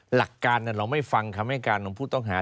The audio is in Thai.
หลักการเราไม่ฟังคำให้การของผู้ต้องหา